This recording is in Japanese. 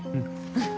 うん。